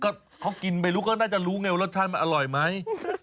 ก็เขากินไม่รู้ก็น่าจะรู้ไงว่ารสชาติมันอร่อยไหม